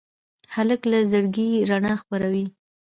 هلک له زړګي رڼا خپروي.